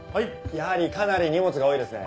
やはりかなり荷物が多いですね。